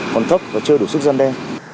còn thấp và chưa đủ sức răn đe